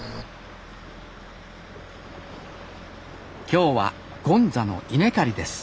今日は権座の稲刈りです